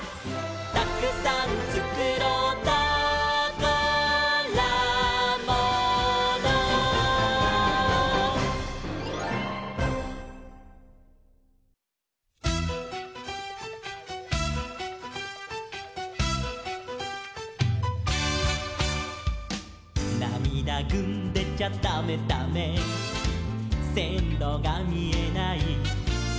「たくさんつくろうたからもの」「なみだぐんでちゃだめだめ」「せんろがみえない」